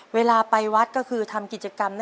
เวลาไปวัดก็คือทำกิจกรรม